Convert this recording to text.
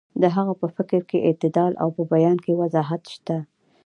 د هغه په فکر کې اعتدال او په بیان کې وضاحت شته.